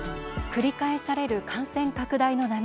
繰り返される感染拡大の波。